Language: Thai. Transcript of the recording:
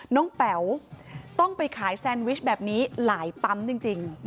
แป๋วต้องไปขายแซนวิชแบบนี้หลายปั๊มจริง